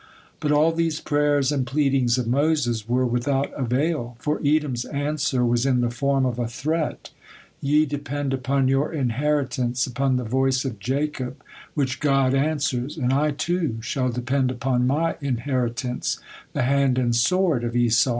But all these prayers and pleadings of Moses were without avail, for Edom's answer was in the form of a threat: "Ye depend upon your inheritance, upon 'the voice of Jacob' which God answers, and I too shall depend upon my inheritance, 'the hand and sword of Esau.'"